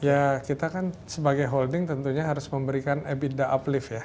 ya kita kan sebagai holding tentunya harus memberikan ebitda uplift ya